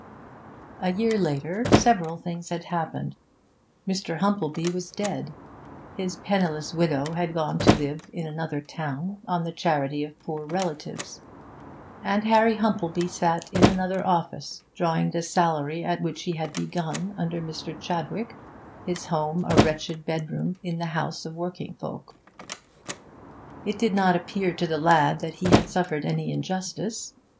A year later several things had happened. Mr. Humplebee was dead; his penniless widow had gone to live in another town on the charity of poor relatives, and Harry Humplebee sat in another office, drawing the salary at which he had begun under Mr. Chadwick, his home a wretched bedroom in the house of working folk. It did not appear to the lad that he had suffered any injustice.